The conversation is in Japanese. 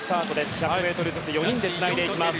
１００ｍずつ４人でつないでいきます。